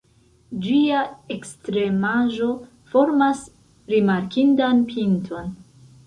Ĝia ekstremaĵo formas rimarkindan pinton.